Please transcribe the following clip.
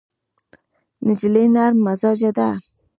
نجلۍ نرم مزاجه ده.